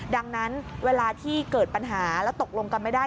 ดังนั้นเวลาที่เกิดปัญหาแล้วตกลงกันไม่ได้